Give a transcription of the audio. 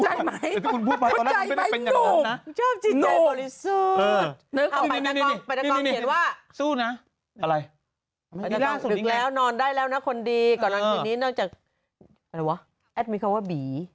อะไรนอนได้แล้วนะคนดีก่อนอาทิตย์นี้นอกจากอะไรวะแอดมีนเขาว่าบี